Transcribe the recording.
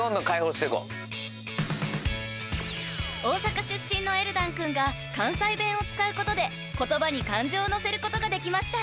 ［大阪出身のエルダン君が関西弁を使うことで言葉に感情を乗せることができました］